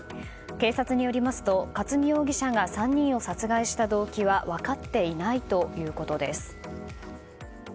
警察によりますと克巳容疑者が３人を殺害した動機は分かっていないということです。